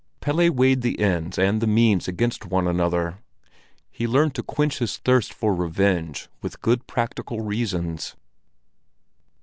Pelle weighed the end and the means against one another; he learned to quench his thirst for revenge with good practical reasons.